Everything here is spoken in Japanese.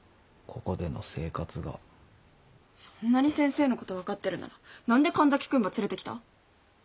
そんなに先生のこと分かってるなら何で神崎君ば連れてきた？